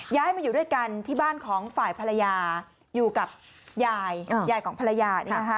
ย้ายมาอยู่ด้วยกันที่บ้านของฝ่ายภรรยาอยู่กับยายยายของภรรยา